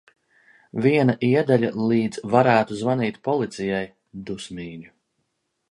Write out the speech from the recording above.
Viena iedaļa līdz "varētu zvanīt policijai" dusmīga.